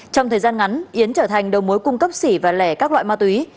trong thời gian ngắn yến trở thành đầu mối cung cấp xỉ và lẻ các loại ma túy